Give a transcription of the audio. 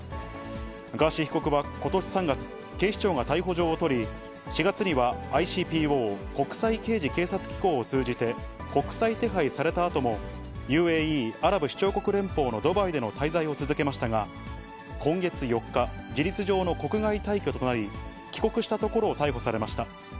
ガーシー被告はことし３月、警視庁が逮捕状を取り、４月にはＩＣＰＯ・国際刑事警察機構を通じて、国際手配されたあとも、ＵＡＥ・アラブ首長国連邦のドバイでの滞在を続けましたが、今月４日、事実上の国外退去となり、帰国したところを逮捕されました。